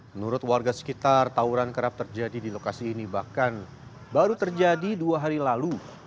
menurut warga sekitar tawuran kerap terjadi di lokasi ini bahkan baru terjadi dua hari lalu